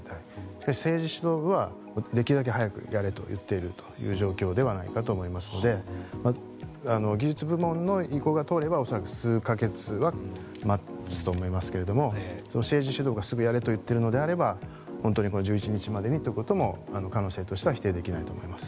しかし政治首脳部はできるだけ早くやれと言っている状況ではないかと思いますので技術部門の意向が通れば恐らく、数か月は待つと思いますけれども政治首脳部がすぐやれと言っているのであれば本当に１１日までにということも可能性としては否定できないと思います。